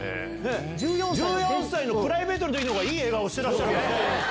１４歳のプライベートのほうがいい笑顔してらっしゃるよね。